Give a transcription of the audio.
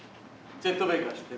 チェット・ベイカー知ってる？